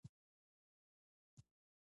غیرت د خاموشۍ قوت دی